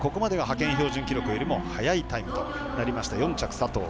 ここまでが派遣標準記録よりも速いタイムとなりました。